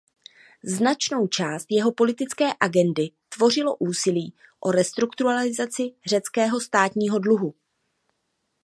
Značnou část jeho politické agendy tvořilo úsilí o restrukturalizaci řeckého státního dluhu.